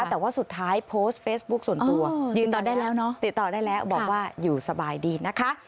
แต่ว่าสุดท้ายโพสต์เฟสบุ๊คส่วนตัวติดต่อได้แล้วบอกว่าอยู่สบายดีนะคะ